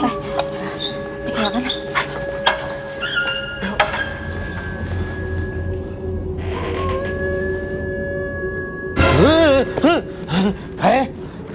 ไปกันแล้วนะไป